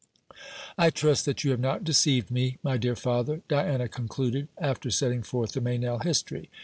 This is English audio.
"I trust that you have not deceived me, my dear father," Diana concluded, after setting forth the Meynell history.